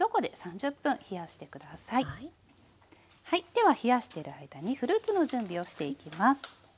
では冷やしてる間にフルーツの準備をしていきます。